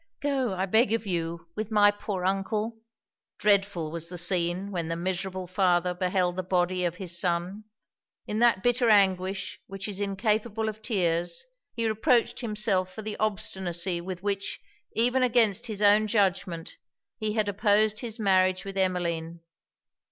'Go, I beg of you, with my poor uncle!' Dreadful was the scene when the miserable father beheld the body of his son. In that bitter anguish which is incapable of tears, he reproached himself for the obstinacy with which, even against his own judgment, he had opposed his marriage with Emmeline.